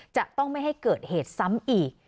จะต้องไม่ให้เกิดเหตุซ้ำอีก